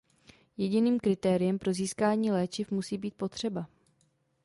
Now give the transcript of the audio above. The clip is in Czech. Jediným kritériem pro získání léčiv musí být potřeba.